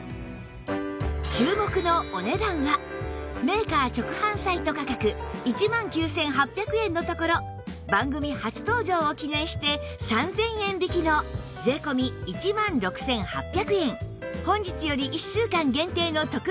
注目のお値段はメーカー直販サイト価格１万９８００円のところ番組初登場を記念して３０００円引きの税込１６８００円本日より１週間限定の特別価格！